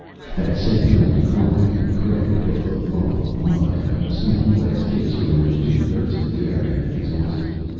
That same night, Klein and Craig put the lump of mud in a small glass case from which two thirds of the air had been exhausted.